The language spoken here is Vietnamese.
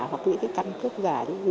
hoặc những cái căn cức giả